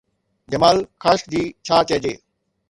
جمال Khashoggi, ڇا چئجي؟